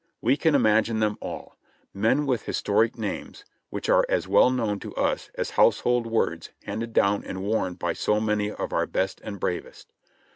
We can imagine them all — men with the historic names, which are as well known to us as household words handed down and worn by so many of our best and bravest.